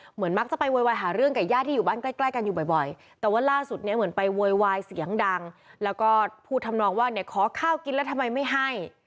เหมือนมักจะไปโวยวายหาเรื่องกับญาติที่อยู่บ้านใกล้ใกล้กันอยู่บ่อยแต่ว่าล่าสุดเนี่ยเหมือนไปโวยวายเสียงดังแล้วก็พูดทำนองว่าเนี่ยขอข้าวกินแล้วทำไมไม่ให้